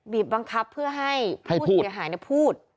บังคับเพื่อให้ผู้เสียหายพูด